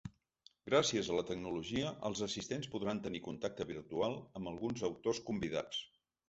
Gràcies a la tecnologia, els assistents podran tenir contacte virtual amb alguns autors convidats.